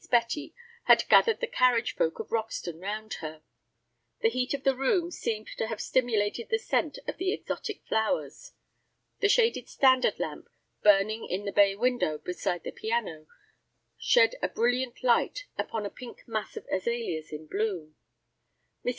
Betty had gathered the carriage folk of Roxton round her. The heat of the room seemed to have stimulated the scent of the exotic flowers. The shaded standard lamp, burning in the bay window beside the piano, shed a brilliant light upon a pink mass of azaleas in bloom. Mrs.